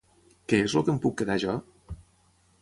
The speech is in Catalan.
Què és el que em puc quedar jo?